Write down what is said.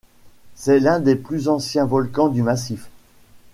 C'est l'un des plus anciens volcans du massif.